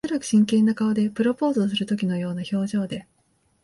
おそらく真剣な顔で。プロポーズをするときのような表情で。